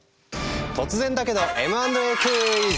突然だけどＭ＆Ａクイズ！